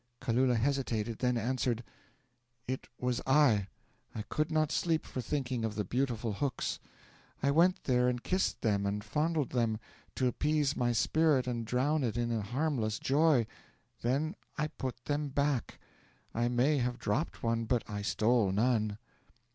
'Kalula hesitated, then answered: '"It was I. I could not sleep for thinking of the beautiful hooks. I went there and kissed them and fondled them, to appease my spirit and drown it in a harmless joy, then I put them back. I may have dropped one, but I stole none."